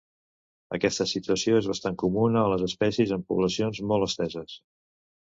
Aquesta situació és bastant comuna a les espècies amb poblacions molt esteses.